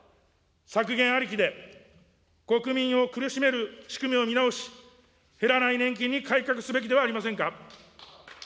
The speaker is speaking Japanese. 削減ありきで、国民を苦しめる仕組みを見直し、減らない年金に改革すべきではありませんか。